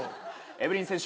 エブリン選手